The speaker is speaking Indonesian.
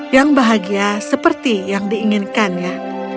yang bahagia seperti yang diinginkannya